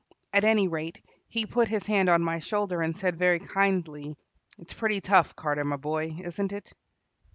At any rate, he put his hand on my shoulder and said very kindly: "It's pretty tough, Carter, my boy, isn't it?"